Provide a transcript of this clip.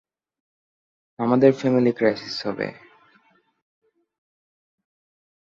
আপনাদের family crisis হবে৷